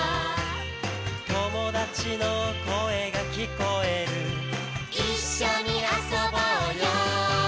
「友達の声が聞こえる」「一緒に遊ぼうよ」